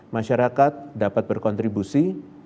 masyarakat dapat berkontribusi